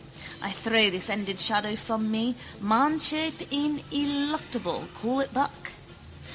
I throw this ended shadow from me, manshape ineluctable, call it back.